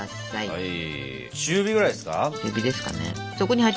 はい！